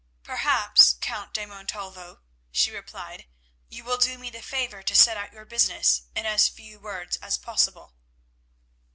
"Perhaps, Count de Montalvo," she replied, "you will do me the favour to set out your business in as few words as possible."